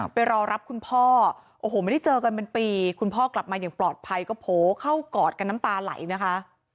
ไปรอรับคุณพ่อโอ้โหไม่ได้เจอกันเป็นปีคุณพ่อกลับมาอย่างปลอดภัยก็โผล่เข้ากอดกันน้ำตาไหลนะคะ